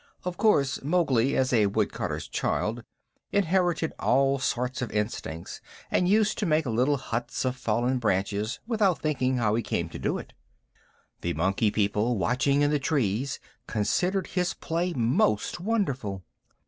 Of course Mowgli, as a woodcutter's child, inherited all sorts of instincts, and used to make little huts of fallen branches without thinking how he came to do it. The Monkey People, watching in the trees, considered his play most wonderful.